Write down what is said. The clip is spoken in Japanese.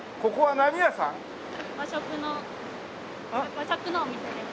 和食のお店です。